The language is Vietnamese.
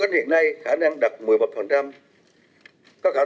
đặc biệt là các tập đoàn các tập đoàn